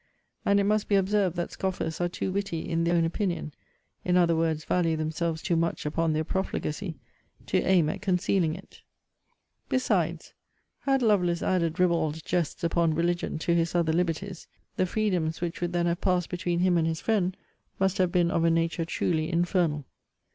'* And it must be observed, that scoffers are too witty, in their own opinion, (in other words, value themselves too much upon their profligacy,) to aim at concealing it. * See Vol. IV. Letter XXXIX. and Vol. V. Letter VIII. Besides, had Lovelace added ribbald jests upon religion, to his other liberties, the freedoms which would then have passed between him and his friend, must have been of a nature truly infernal.